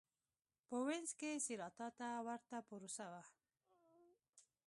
په وینز کې سېراتا ته ورته پروسه وه.